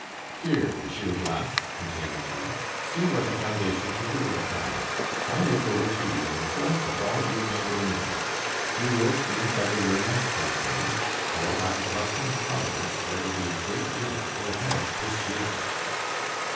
"Here, Gil Blas," continued he, "see what a foundation to build upon. I make over to you the fourth of all you may bring me. You will soon feather your nest, my friend; for, by the blessing of Providence, there will be a great deal of ill health this year."